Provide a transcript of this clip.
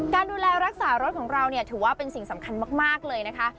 การดูแลรักษารถของเราเนี่ยถือว่าเป็นสิ่งสำคัญมากเลยนะคะ